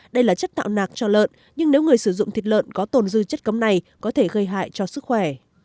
đây là chất tạo nạc cho lợn nhưng nếu người sử dụng thịt lợn có tồn dư chất cấm này có thể gây hại cho sức khỏe